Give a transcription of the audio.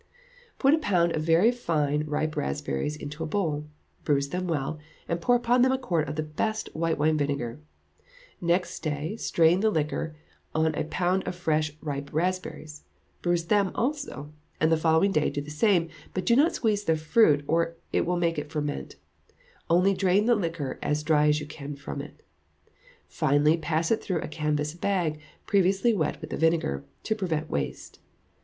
Put a pound of very fine ripe raspberries in a bowl, bruise them well, and pour upon them a quart of the best white wine vinegar; next day strain the liquor on a pound of fresh ripe raspberries; bruise them also, and the following day do the same, but do not squeeze the fruit, or it will make it ferment; only drain the liquor as dry as you can from it. Finally, pass it through a canvas bag, previously wet with the vinegar, to prevent waste.